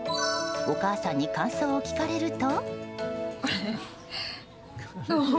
お母さんに感想を聞かれると。